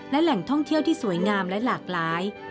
และแหล่งท่องเที่ยวที่สวยงามและหลากหลาย